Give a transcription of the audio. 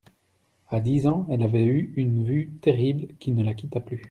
À dix ans, elle avait eu une vue terrible, qui ne la quitta plus.